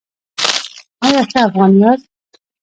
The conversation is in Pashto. ایا ښه افغان یاست؟